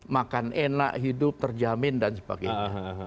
makan enak hidup terjamin dan sebagainya